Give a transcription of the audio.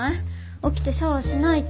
起きてシャワーしないと。